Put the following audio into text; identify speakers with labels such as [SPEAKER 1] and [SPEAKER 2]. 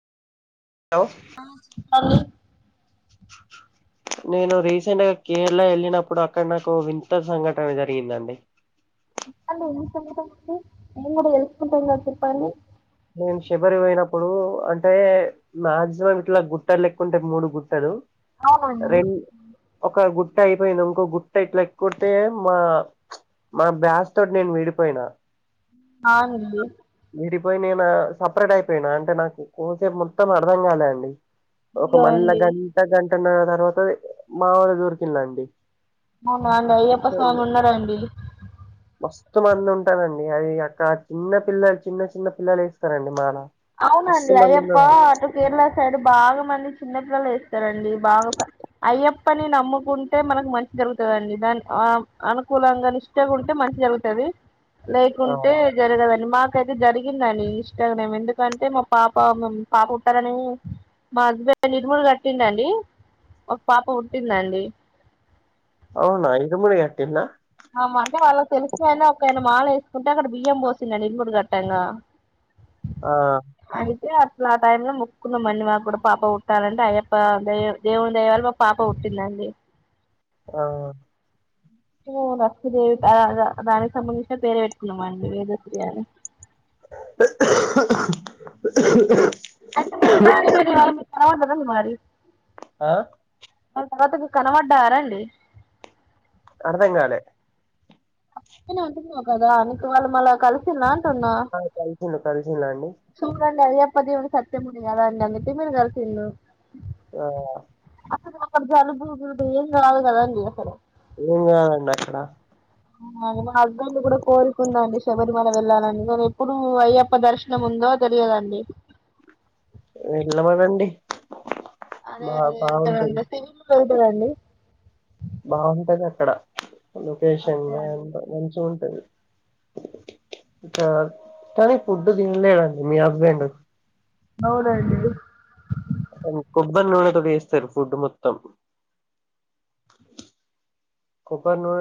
[SPEAKER 1] Hello
[SPEAKER 2] ఆ హాలి
[SPEAKER 1] నేను రీసెంట్ గా కేరళ ఎళ్ళినప్పుడు అక్కడ నాకు వింత సంఘటన జరిగిందండి
[SPEAKER 2] అండి ఏం సంఘటన అండి మేము గూడ తెల్సు కుంటంగా చెప్పండి
[SPEAKER 1] నేను శబరి పోయినప్పుడు అంటే మాక్సిమం ఇట్లా గుట్టలు లెక్క ఉంటే మూడు గుట్టలు
[SPEAKER 2] అవునండి
[SPEAKER 1] రెం ఒక గుట్ట అయిపోయింది ఇంకో గుట్ట ఇట్లా ఎక్కుతే మా మా బ్యాచ్ తోటి నేను విడిపోయినా
[SPEAKER 2] ఆనింది
[SPEAKER 1] విడిపోయి నేను సపరేట్ అయిపోయినా అంటే నాకు కోసేపు మొత్తం అర్థం కాలే అండి ఒక
[SPEAKER 2] ఇదిగో
[SPEAKER 1] మల్ల
[SPEAKER 2] అండి
[SPEAKER 1] గంట గంట పెన్న తర్వాత మా వాళ దూరికి వెళ్ళ అండి
[SPEAKER 2] అవునా అం అయ్యప్ప స్వామి ఉన్నారండి
[SPEAKER 1] మస్తు మంది ఉంటనండి అది అక్కడ చిన్న పిల్లలు చిన్న చిన్న పిల్లలు వేస్తారండి మాల మస్తు
[SPEAKER 2] అవునండి
[SPEAKER 1] మంది
[SPEAKER 2] అయ్యప్ప
[SPEAKER 1] ఉన్నారు ఆడ.
[SPEAKER 2] అటు కేరళ సైడ్ బాగా మంది చిన్నపిల్లలు వేస్తారండి బాగా అయ్యప్పని నమ్ముకుంటే మనకు మంచి జరుగుతదండి దాని ఆ అనుకూలంగా నిస్టగా ఉంటే మంచి జరుగుతుంది
[SPEAKER 1] ఆ
[SPEAKER 2] లేకుంటే జరగదండి మా అయితే జరిగిందని ఇష్టగ్రం ఎందుకు అంటే మా పాప పాప ఉుట్టారని మా హస్బెండ్ ఇరుముడి కట్టిండండి ఒక పాప పుట్టిందండి
[SPEAKER 1] అవునా ఇరుముడి గట్టిండ్రా
[SPEAKER 2] అ అంటే వాళ్ళకి తెలిసయినా ఒకనా మాాల వేసుకుంటే అక్కడ బియ్యం పోసిందను ఇరుముడి గట్టంగా
[SPEAKER 1] ఆ
[SPEAKER 2] అయితే అట్లా ఆ టై లో ముక్కుంద మీ మాకు కూడా పాప పుట్టాలండి అయ్యప్ప ద దేవుని దైవాాల మా పాప పుట్టిందండి
[SPEAKER 1] ఆ
[SPEAKER 2] లక్ష్మీదేవి దానికి సంబంధించిన పేరు పెట్టుకున్నామ అండి వేదశ్రీ అని అంత మ స అ
[SPEAKER 1] ఆ
[SPEAKER 2] తర్వాత కనబడ్డా ఆారంండి
[SPEAKER 1] అడదెంగాల
[SPEAKER 2] అని అంటున్నావు కదా నక వాళ్ళు మళ్ళ కలిసిిన
[SPEAKER 1] ఆ కలిసి కలిసిలా అండి
[SPEAKER 2] పదివుని సత్య ముడిగాలాడిదంది త మరు గలిసలు
[SPEAKER 1] ఆ
[SPEAKER 2] గు ద ద కదండి ఫర
[SPEAKER 1] ఏంగ ఉన్నప్పుడ
[SPEAKER 2] అ మా అబ్బలు కూడా కోలుకుందాండి శబరిమల వెళ్ళాలని కానీ ఎప్పుడు అయ్యప్ప దర్శనం ఉందో తెలియదండి
[SPEAKER 1] వెల్ల మండి
[SPEAKER 2] అదే అదేతారు అంత సి దండి
[SPEAKER 1] బాగుంటది అక్కడ లొకేషన్
[SPEAKER 2] అంతే అండి
[SPEAKER 1] ఎంత మంచి ఉంటుది ఇ కానీ ఫుడ్డు తినలేడంండి మీ హస్బెండ్
[SPEAKER 2] నోడయితేది
[SPEAKER 1] కొబ్బరి నూనెతో వేస్తారు ఫుడ్ మొత్తం కొబ్బరి నూనె